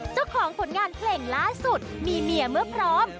เจ้าของผลงานเพลงล่าสุดมีเมียเมื่อพร้อม